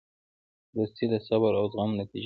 دوستي د صبر او زغم نتیجه ده.